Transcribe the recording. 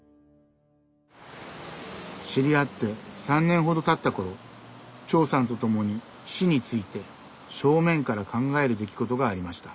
知り合って３年ほどたった頃長さんと共に「死」について正面から考える出来事がありました。